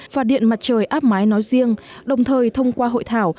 và điện mặt trời áp mái nói riêng đồng thời thông qua hội thảo